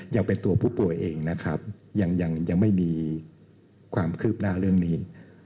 ยังเป็นตัวผู้ป่วยเองนะครับยังไม่มีความคืบหน้าเรื่องนี้